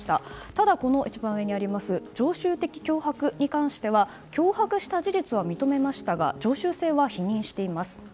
ただ、常習的脅迫に関しては脅迫した事実は認めましたが常習性は否認しています。